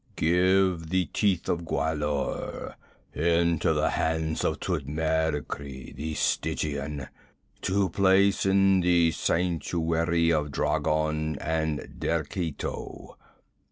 Give the Teeth of Gwahlur into the hands of Thutmekri, the Stygian, to place in the sanctuary of Dragon and Derketo.